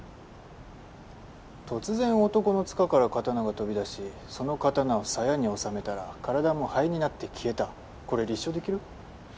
突然男のつかから刀が飛び出しその刀を鞘に収めたら体も灰になって消えたこれ立証できる？